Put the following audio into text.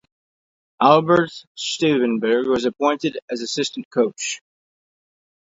Albert Stuivenberg was appointed as assistant coach.